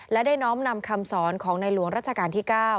และได้น้อมนำคำสอนของในหลวงรัชกาลที่๙